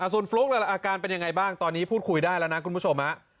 ส่วนฟลุ๊กอาการเป็นยังไงบ้างตอนนี้พูดคุยได้แล้วนะคุณผู้ชม